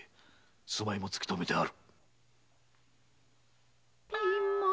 住まいも突きとめてある。